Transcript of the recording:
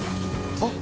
・あっ！！